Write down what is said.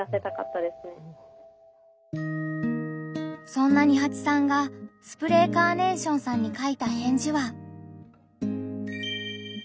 そんなニハチさんがスプレーカーネーションさんに書いた返事は。